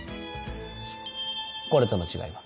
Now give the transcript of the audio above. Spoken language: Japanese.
これとの違いは？